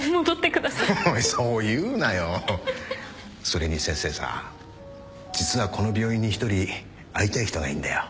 それに先生さ実はこの病院に１人会いたい人がいんだよ。